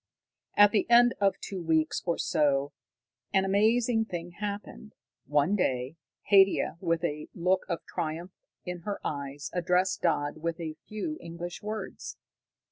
At the end of two weeks or so, an amazing thing happened. One day Haidia, with a look of triumph in her eyes, addressed Dodd with a few English words!